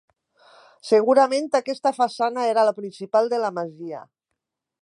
Segurament aquesta façana era la principal de la masia.